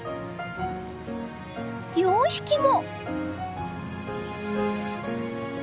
４匹も！